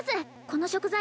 この食材